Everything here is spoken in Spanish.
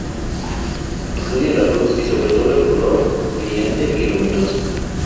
Estudia la luz y, sobre todo, el color, brillante, luminoso.